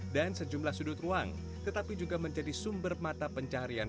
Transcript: dan sejumlah sudut ruang tetapi juga menjadi sumber mata pencarian